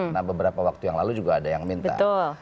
nah beberapa waktu yang lalu juga ada yang minta